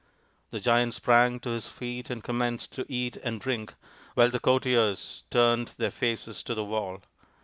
The Giant sprang to his feet and commenced to eat and drink, while the courtiers turned their faces to the wall.